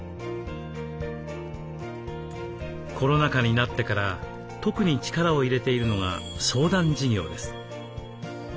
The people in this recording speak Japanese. コロナ禍になってから特に力を入れているのが相談事業です。